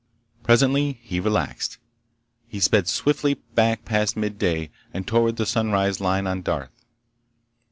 Presently he relaxed. He sped swiftly back past midday and toward the sunrise line on Darth.